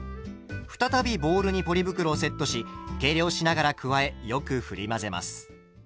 再びボウルにポリ袋をセットし計量しながら加えよくふり混ぜます。